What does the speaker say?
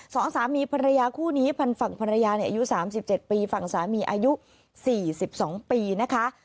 สองสามีภรรยาคู่นี้พันฝั่งภรรยาอายุ๓๗ปีฝั่งสามีอายุ๔๒ปีนะคะ